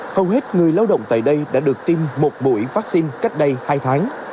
hầu hết người lao động tại đây đã được tiêm một mũi vaccine cách đây hai tháng